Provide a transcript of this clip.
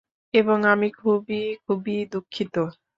এবং আমি খুবই খুবই দুঃখিত।